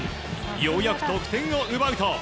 ようやく得点を奪うと。